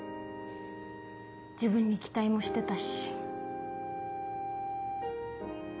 自分に期待もしてたし。